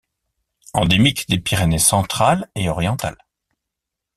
Endémique des Pyrénées centrales et orientales.